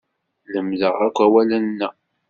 Lemdeɣ akk awalen-a.